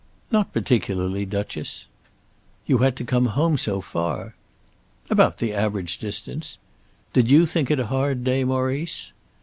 "Not particularly, Duchess." "You had to come home so far!" "About the average distance. Did you think it a hard day, Maurice?"